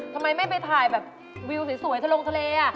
ทำไมไม่ไปถ่ายแบบวิวสวยทะลงทะเล